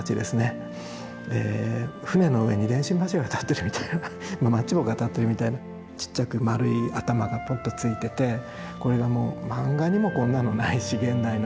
舟の上に電信柱が立っているみたいなマッチ棒が立っているみたいなちっちゃく丸い頭がぽっとついててこれがもう漫画にもこんなのないし現代の。